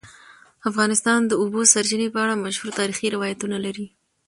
افغانستان د د اوبو سرچینې په اړه مشهور تاریخی روایتونه لري.